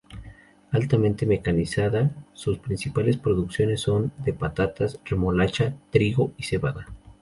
Altamente mecanizada, sus principales producciones son de patatas, remolacha, trigo y cebada.